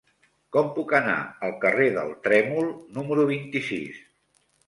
Com puc anar al carrer del Trèmol número vint-i-sis?